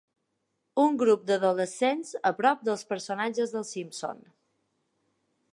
Un grup d'adolescents a prop dels personatges dels Simpsons.